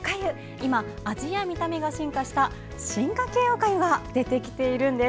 今、味や見た目が進化した進化形おかゆが出てきているんです。